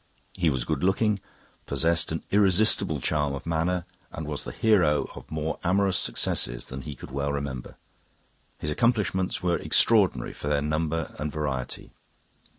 He was good looking, possessed an irresistible charm of manner, and was the hero of more amorous successes than he could well remember. His accomplishments were extraordinary for their number and variety.